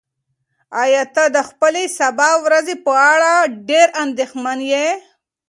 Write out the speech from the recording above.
ایا ته د خپلې سبا ورځې په اړه ډېر اندېښمن یې؟